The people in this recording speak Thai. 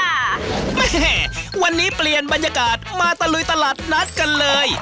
แม่วันนี้เปลี่ยนบรรยากาศมาตะลุยตลาดนัดกันเลย